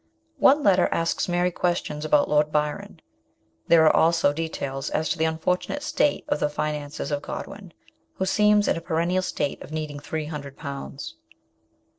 One letter asks Mary questions about Lord Byron, There are also details as to the unfortunate state of the finances of Godwin, who seemed in a perennial state of needing three hundred pounds.